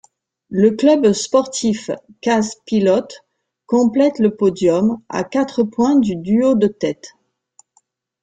Le Club sportif Case-Pilote complète le podium, à quatre points du duo de tête.